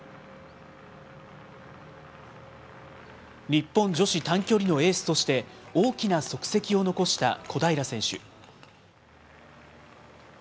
日本女子短距離のエースとして、大きな足跡を残した小平選手。